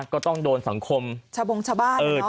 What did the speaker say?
ก็ต้องโดนสังคมชะบองชะบาดแล้วเนอะ